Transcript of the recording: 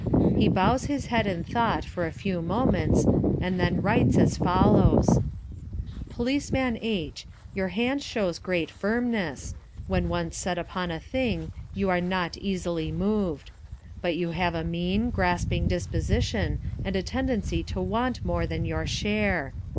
He bows his head in thought for a few moments, and then writes as follows: "Policeman H. Your hand shows great firmness; when once set upon a thing you are not easily moved. But you have a mean, grasping disposition and a tendency to want more than your share.